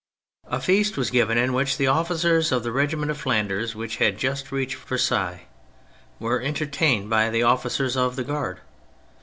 A feast was given in which the officers of the Regiment of Flanders, which had just reached Versailles, were entertained by the officers of the Guard.